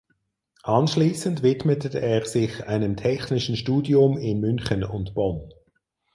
Anschließend widmete er sich einem technischen Studium in München und Bonn.